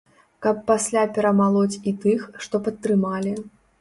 Каб пасля перамалоць і тых, што падтрымалі.